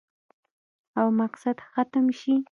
او مقصد ختم شي